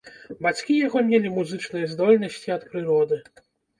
Бацькі яго мелі музычныя здольнасці ад прыроды.